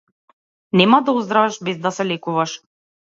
Нема да оздравиш без да се лекуваш.